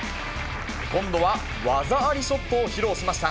今度は技ありショットを披露しました。